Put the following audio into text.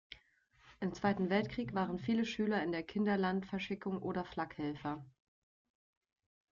Im Zweiten Weltkrieg waren viele Schüler in der Kinderlandverschickung oder Flakhelfer.